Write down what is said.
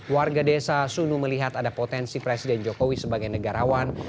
warga desa sunu melihat ada potensi presiden jokowi sebagai negarawan